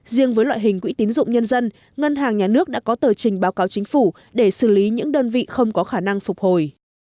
riêng với loại hình quỹ tín dụng nhân dân ngân hàng nhà nước đã có tờ trình báo cáo chính phủ để xử lý những đơn vị không có khả năng phục hồi